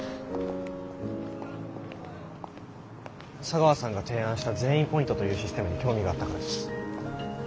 茶川さんが提案した「善意ポイント」というシステムに興味があったからです。